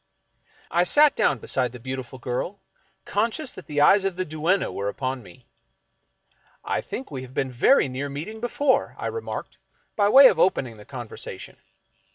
I sat down beside the beautiful girl, conscious that the eyes of the duenna were upon me, " I think we have been very near meeting before," I re marked, by way of opening the conversation.